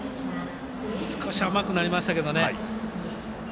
少し甘くなりましたけどね。